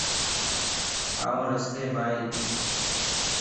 آن رستي مائين